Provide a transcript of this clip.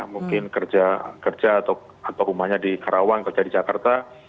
mungkin kerja atau rumahnya di karawang kerja di jakarta